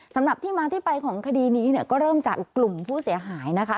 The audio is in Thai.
สำหรับที่มาที่ไปของคดีนี้เนี่ยก็เริ่มจากกลุ่มผู้เสียหายนะคะ